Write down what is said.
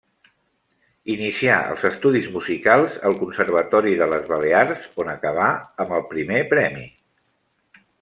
Inicià els estudis musicals al Conservatori de les Balears, on acabà amb el Primer Premi.